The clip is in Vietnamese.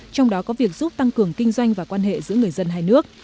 trong đó có việc giúp tăng cường kinh doanh và quan hệ giữa người dân hai nước